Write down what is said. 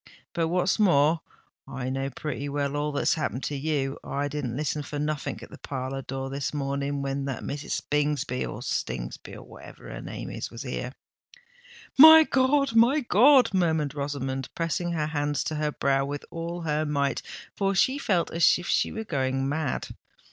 But what's more, I know pretty well all that's happened to you. I didn't listen for nothink at the parlour door this morning when that Mrs. Bingsby or Stingsby, or whatever her name is, was here." "My God! my God!" murmured Rosamond, pressing her hands to her brow with all her might—for she felt as if she were going mad.